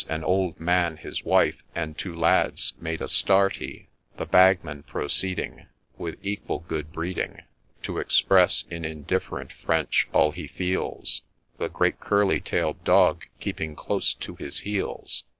an old man, his wife, and two lads, made a start, he, The Bagman, proceeding, With equal good breeding, To express, in indifferent French all he feels, The great curly tail'd Dog keeping close to his heels.